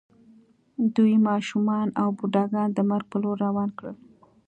دوی ماشومان او بوډاګان د مرګ په لور روان کړل